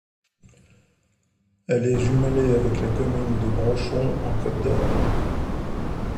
Elle est jumelée avec la commune de Brochon en Côte d'Or.